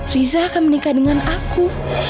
riza akan menikah dengan aku